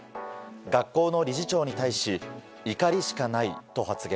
学校の理事長に対し怒りしかないと発言。